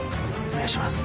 お願いします。